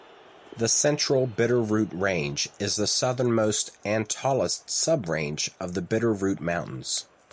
The Central Bitterroot Range is the southernmost and tallest subrange of the Bitterroot Mountains.